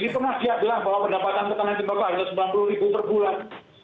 itu dia bilang bahwa pendapatan pertanian tembakau ada rp sembilan puluh per bulan